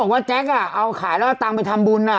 ว่าแจ๊คอะเอาขายแล้วก็ตั้งไปทำบุญอ่ะ